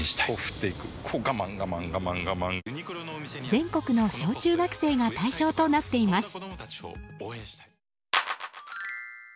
全国の小中学生が対象となっています。